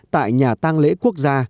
tại nhà tàng lễ quốc gia